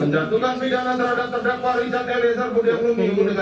terbukti jelasan dan berhentikan bersalah